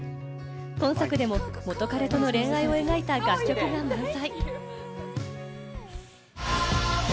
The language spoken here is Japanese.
今作でも元彼との恋愛を描いた楽曲が満載。